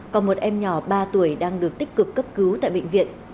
còn một em nhỏ ba tuổi đang được tích cực cấp cứu tại bệnh viện